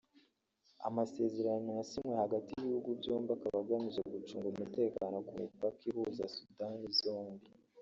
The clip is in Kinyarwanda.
Amasezerano yasinywe hagati y’ibihugu byombi akaba agamije gucunga umutekano ku mipaka ihuza Sudani zombi